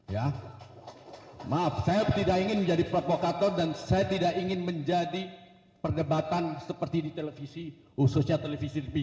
ya maaf saya tidak ingin menjadi provokator dan saya tidak ingin menjadi perdebatan seperti di televisi khususnya televisi tv